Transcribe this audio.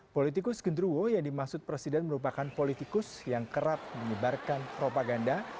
politikus gendruwo yang dimaksud presiden merupakan politikus yang kerap menyebarkan propaganda